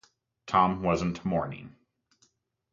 Tom wasn't mourning.